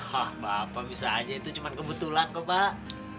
hah bapak bisa aja itu cuma kebetulan kok pak